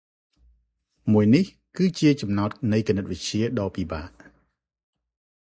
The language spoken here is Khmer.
មួយនេះគឺជាចំណោតនៃគណិតវិទ្យាដ៏ពិបាក ។